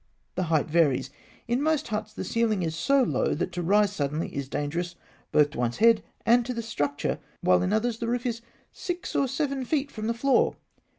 The height varies. In most huts, the ceiling is so low that to rise suddenly is dangerous both to one's head and to the structure, while in others the roof is six or seven feet from the floor.